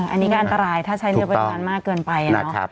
อันนี้ก็อันตรายถ้าใช้เลือกปริมาณมากเกินไปนะครับ